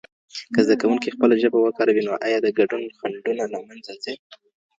که زده کوونکي خپله ژبه وکاروي نو ایا د ګډون خنډونه له منځه ځي.